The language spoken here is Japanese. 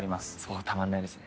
たまんないですね。